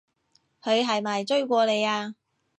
佢係咪追過你啊？